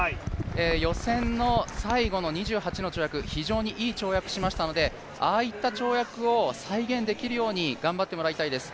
予選の最後の２８の跳躍、非常にいい跳躍をしましたので、ああいった跳躍を再現できるように頑張ってもらいたいです。